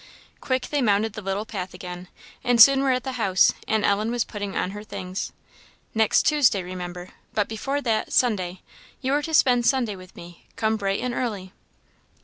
Quick they mounted the little path again, and soon were at the house; and Ellen was putting on her things. "Next Tuesday remember, but before that! Sunday you are to spend Sunday with me; come bright and early."